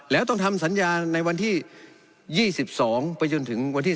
แล้วต้องทำสัญญาในวันที่๒๒ไปจนถึงวันที่๑